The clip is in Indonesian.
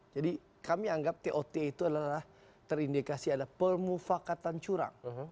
jadi kami anggap tot itu adalah terindikasi ada permufakatan curang